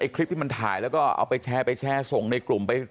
คลิปที่มันถ่ายแล้วก็เอาไปแชร์ไปแชร์ส่งในกลุ่มไป